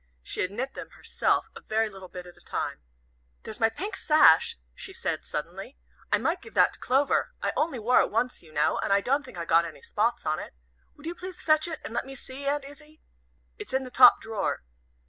She had knit them herself, a very little bit at a time. "There's my pink sash," she said suddenly, "I might give that to Clover. I only wore it once, you know, and I don't think I got any spots on it. Would you please fetch it and let me see, Aunt Izzie? It's in the top drawer."